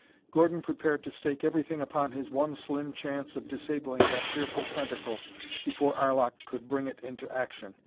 Gordon prepared to stake everything upon his one slim chance of disabling that fearful tentacle before Arlok could bring it into action.